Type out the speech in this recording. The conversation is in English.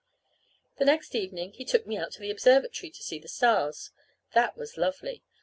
The next evening he took me out to the observatory to see the stars. That was lovely.